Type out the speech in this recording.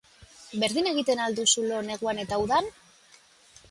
Berdin egiten al duzu lo neguan eta udan?